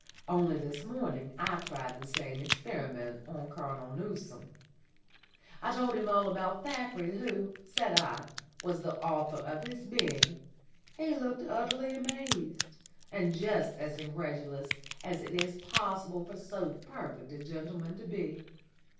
Only this morning I tried the same experiment on Colonel Newcome. I told him all about Thackeray, who, said I, was the author of his being. He was utterly amazed, and just as incredulous as it is possible for so perfect a gentleman to be.